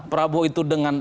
prabowo itu dengan